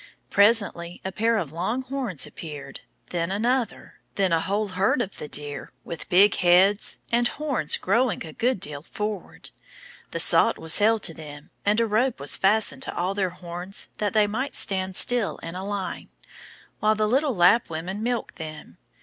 Presently, a pair of long horns appeared, then another, then a whole herd of the deer with big heads and horns growing a good deal forward. The salt was held to them, and a rope was fastened to all their horns that they might stand still in a line, while the little Lapp women milked them.